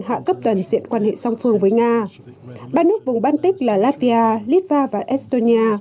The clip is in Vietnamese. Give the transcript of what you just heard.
hạ cấp toàn diện quan hệ song phương với nga ba nước vùng baltic là latvia litva và estonia